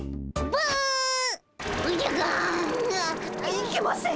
いいけません。